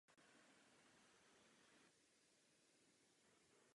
Pane předsedající, dámy a pánové, v souladu s čl.